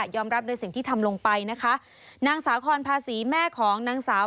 รับในสิ่งที่ทำลงไปนะคะนางสาคอนภาษีแม่ของนางสาว